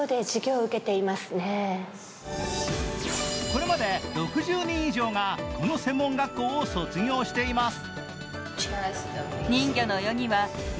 これまで６０人以上がこの専門学校を卒業しています。